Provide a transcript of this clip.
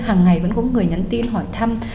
hằng ngày vẫn có người nhắn tin hỏi thăm